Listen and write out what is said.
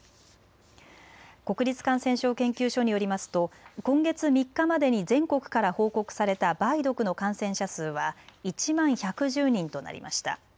国立感染症研究所によりますと今月３日までに全国から報告された梅毒の感染者数は１万１１０人となりました。